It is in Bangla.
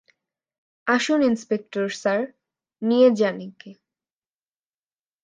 আসুন ইন্সপেক্টর স্যার, নিয়ে যান একে।